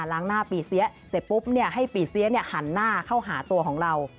ล้างหน้าปีเสียเสร็จปุ๊บให้ปีเสียหันหน้าเข้าหาตัวของเรา